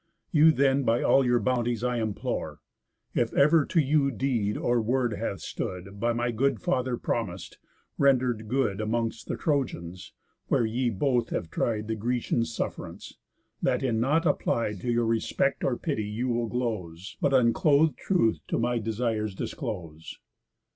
You then by all your bounties I implore, (If ever to you deed or word hath stood, By my good father promis'd, render'd good Amongst the Trojans, where ye both have tried The Grecian suff'rance) that in nought applied To my respect or pity you will glose, But uncloth'd truth to my desires disclose."